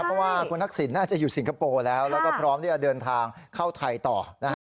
เพราะว่าคุณทักษิณน่าจะอยู่สิงคโปร์แล้วแล้วก็พร้อมที่จะเดินทางเข้าไทยต่อนะฮะ